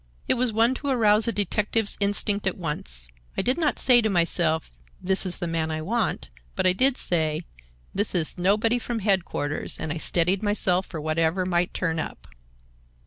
It was one to arouse a detective's instinct at once. I did not say to myself, this is the man I want, but I did say, this is nobody from headquarters, and I steadied myself for whatever might turn up.